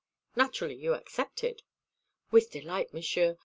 "Naturally, you accepted?" "With delight, Monsieur.